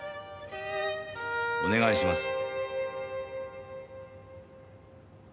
お願いします。